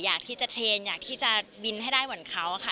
อยากที่จะเทรนด์อยากที่จะบินให้ได้เหมือนเขาค่ะ